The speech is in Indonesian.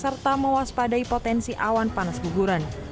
serta mewaspadai potensi awan panas guguran